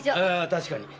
確かに。